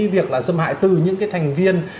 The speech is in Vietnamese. việc là xâm hại từ những cái thành viên